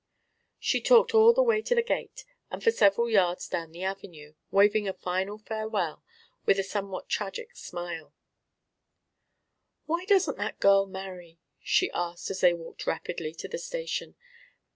She talked all the way to the gate and for several yards down the avenue, waving a final farewell with a somewhat tragic smile. "Why doesn't that girl marry?" she asked as they walked rapidly to the station.